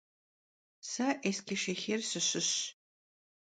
Se Eskişşêxir sışışş.